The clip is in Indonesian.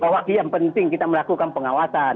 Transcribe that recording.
bahwa yang penting kita melakukan pengawasan